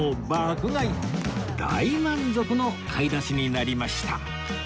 大満足の買い出しになりました